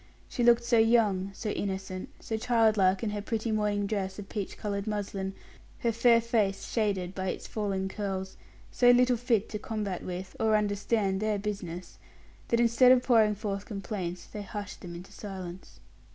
She looked so young, so innocent, so childlike in her pretty morning dress of peach colored muslin, her fair face shaded by its falling curls, so little fit to combat with, or understand their business, that instead of pouring forth complaints, they hushed them into silence.